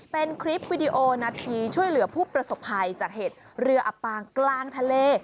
เป็นคลิปวิดีโอนาทีช่วยเหลือผู้ประสบภัยจากเหตุเรืออับปางกลางทะเล